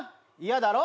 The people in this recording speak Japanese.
嫌だろ？